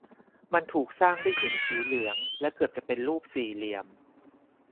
มันถูกสร้างด้วยหินสีเหลือง และเกือบจะเป็นรูปสี่เหลี่ยม